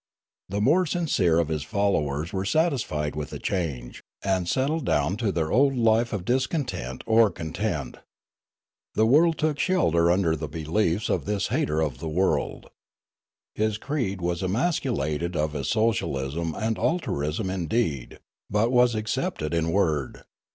The more sincere of his followers were satisfied with the change, and settled down to their old life of discontent or con tent. The world took shelter under the beliefs of this hater of the world. His creed was emasculated of its socialism and altruism in deed, but was accepted in word.